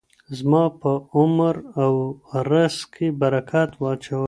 زما په عمر او رزق کې برکت واچوه.